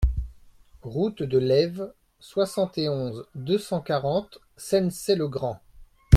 Route de Laives, soixante et onze, deux cent quarante Sennecey-le-Grand